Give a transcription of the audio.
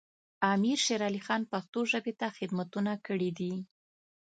امیر شیر علی خان پښتو ژبې ته خدمتونه کړي دي.